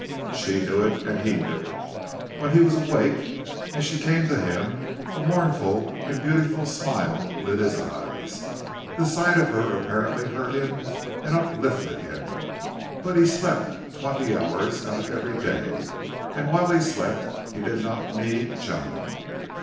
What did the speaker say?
She knew it. And he knew it. When he was awake, and she came to him, a mournful and beautiful smile lit his eyes. The sight of her apparently hurt him and uplifted him. But he slept twenty hours out of every day, and while he slept he did not need Joan.